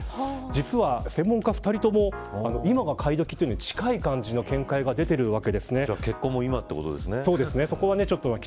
実は、専門家２人とも今が買い時というのに近い感じの話が出ているわけですね。